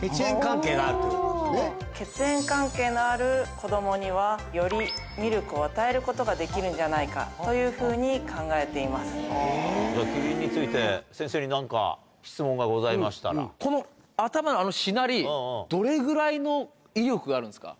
血縁関係があるということで血縁関係のある子どもには、よりミルクを与えることができるんじゃないかというふうに考えてキリンについて、先生になんこの頭、しなり、どれぐらいの威力があるんですか？